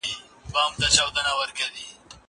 زه له سهاره کتابتون ته راځم؟!